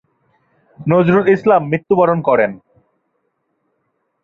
নজরুল ইসলাম মৃত্যুবরণ করেন।